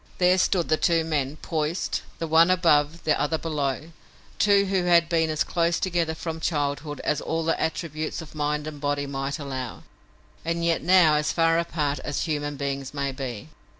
There stood the two men, poised, the one above, the other below, two who had been as close together from childhood as all the attributes of mind and body might allow, and yet now as far apart as human beings may be.